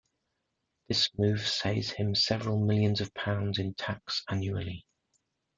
This move saves him several millions of pounds in tax annually.